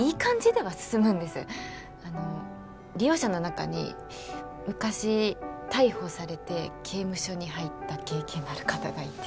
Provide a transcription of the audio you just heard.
あの利用者の中に昔逮捕されて刑務所に入った経験のある方がいて。